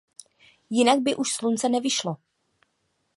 Jinak by už slunce nevyšlo.